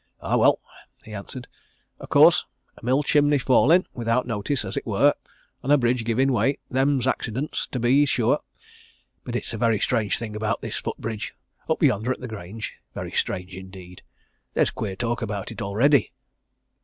"Ay, well!" he answered. "Of course, a mill chimney falling, without notice, as it were, and a bridge giving way them's accidents, to be sure. But it's a very strange thing about this foot bridge, up yonder at the Grange very strange indeed! There's queer talk about it, already."